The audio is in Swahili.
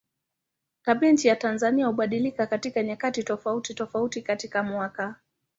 Tabianchi ya Tanzania hubadilika kwa nyakati tofautitofauti katika mwaka.